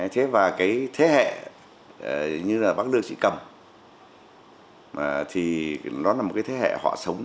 thế và cái thế hệ như là bác lương sĩ cầm thì nó là một cái thế hệ họ sống